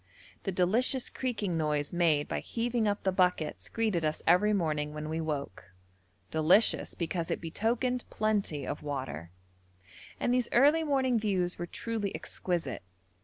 The delicious creaking noise made by heaving up the buckets greeted us every morning when we woke, delicious because it betokened plenty of water: and these early morning views were truly exquisite.